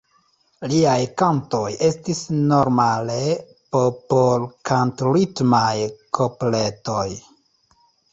Liaj kantoj estis normale popolkantritmaj kopletoj.